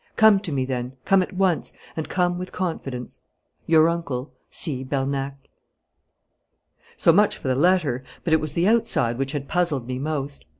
Come to me, then, come at once, and come with confidence. 'Your uncle, 'C. BERNAC.' So much for the letter, but it was the outside which had puzzled me most.